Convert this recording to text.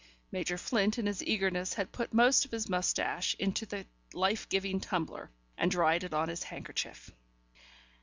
Major Flint in his eagerness had put most of his moustache into the life giving tumbler, and dried it on his handkerchief.